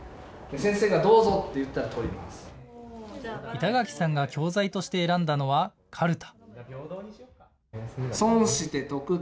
板垣さんが教材として選んだのはカルタ。